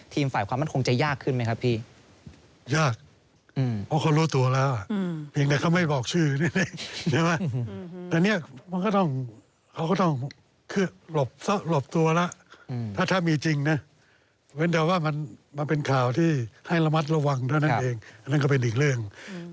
แต่เป็นข่าวที่มันเป็นให้ระมัดระวังก็นั่นเอง